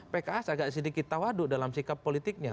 pks sedikit tawadu dalam sikap politiknya